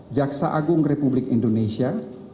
jaksa agung republik indonesia